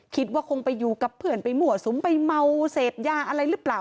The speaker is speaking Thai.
คิดว่าคงไปอยู่กับเพื่อนไปมั่วสุมไปเมาเสพยาอะไรหรือเปล่า